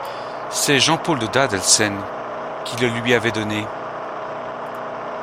C'est Jean-Paul de Dadelsen qui le lui avait donné.